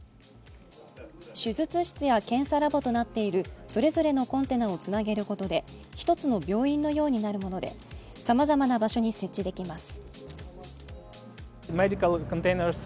手術室や検査ラボとなっているそれぞれのコンテナをつなげることで１つの病院のようになるものでさまざまな場所に設置できます。